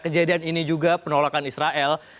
kejadian ini juga penolakan israel